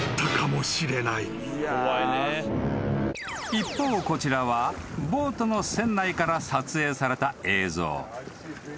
［一方こちらはボートの船内から撮影された映像］